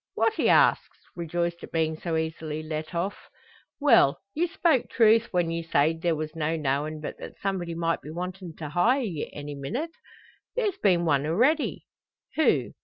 "What?" he asks, rejoiced at being so easily let off. "Well; you spoke truth when ye sayed there was no knowin' but that somebody might be wantin' to hire ye any minnit. There's been one arready." "Who?